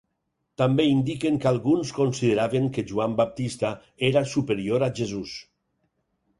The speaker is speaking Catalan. També indiquen que alguns consideraven que Joan Baptista era superior a Jesús.